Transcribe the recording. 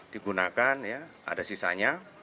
digunakan ya ada sisanya